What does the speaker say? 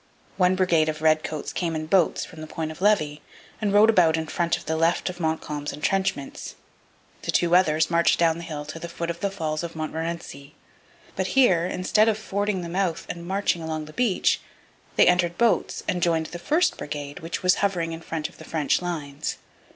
One brigade of redcoats came in boats from the Point of Levy and rowed about in front of the left of Montcalm's entrenchments. The two others marched down the hill to the foot of the Falls of Montmorency. But here, instead of fording the mouth and marching along the beach, they entered boats and joined the first brigade, which was hovering in front of the French lines.